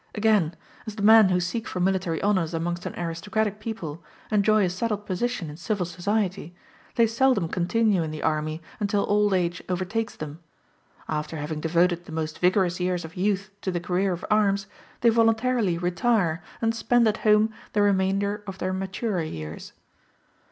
Again, as the men who seek for military honors amongst an aristocratic people, enjoy a settled position in civil society, they seldom continue in the army until old age overtakes them. After having devoted the most vigorous years of youth to the career of arms, they voluntarily retire, and spend at home the remainder of their maturer years.